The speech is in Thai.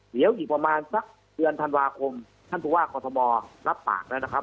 เดี๋ยวอีกประมาณสักเดือนธันวาคมท่านผู้ว่ากอทมรับปากแล้วนะครับ